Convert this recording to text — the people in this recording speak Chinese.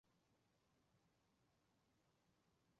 库朗人口变化图示